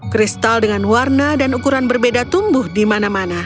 kristal dengan warna dan ukuran berbeda tumbuh di mana mana